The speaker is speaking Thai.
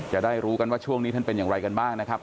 จะได้รู้กันว่าช่วงนี้ท่านเป็นอย่างไรกันบ้างนะครับ